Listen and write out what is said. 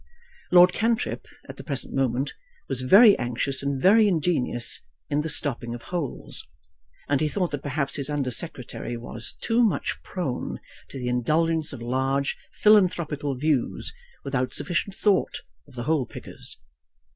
Lord Cantrip, at the present moment, was very anxious and very ingenious in the stopping of holes; and he thought that perhaps his Under Secretary was too much prone to the indulgence of large philanthropical views without sufficient thought of the hole pickers.